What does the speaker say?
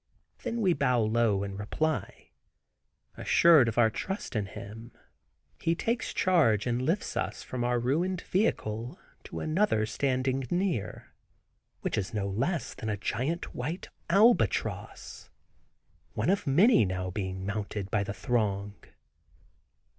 Then we bow low in reply. Assured of our trust in him he takes charge and lifts us from our ruined vehicle to another, standing near, which is no less than a great white albatross, one of many now being mounted by the throng.